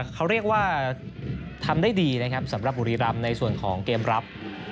เขาเรียกว่าทำได้ดีนะครับสำหรับบุรีรำในส่วนของเกมรับ